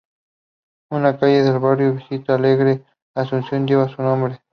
Una calle del barrio Vista Alegre de Asunción lleva su nombre.